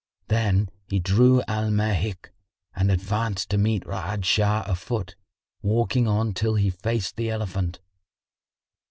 Then he drew Al Mahik and advanced to meet Ra'ad Shah a foot, walking on till he faced the elephant.